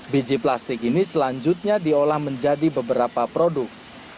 biji plastik ini selanjutnya diolah menjadi beberapa produk